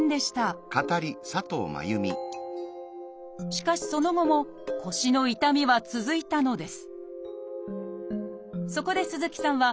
しかしその後も腰の痛みは続いたのです。